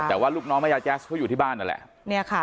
แต่ว่าลูกน้องแม่ยายแจ๊สเขาอยู่ที่บ้านนั่นแหละ